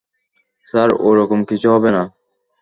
Sir, ওরকম কিছু হবে না।